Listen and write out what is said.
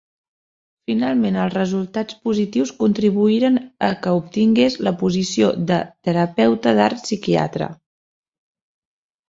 Finalment els resultats positius contribuïren a que obtingués la posició de terapeuta d'art psiquiatre.